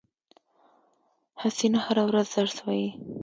حسینه هره ورځ درس وایی